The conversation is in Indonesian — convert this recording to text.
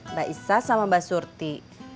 mbak isa sama mbak surti